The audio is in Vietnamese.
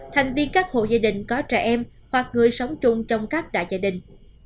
thành viên các hộ gia đình có trẻ em hoặc người sống chung trong các đại gia đình